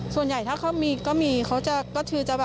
ส่วนใหญ่ถ้าเขามีก็จะแบบ